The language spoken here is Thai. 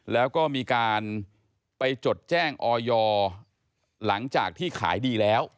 แล้วก็มีการไปจดแจ้งออยหลังจากที่ขายดีแล้ว